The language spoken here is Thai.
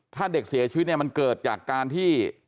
ถ้าเด็กเสียชีวิตเนี่ยมันเกิดจากการที่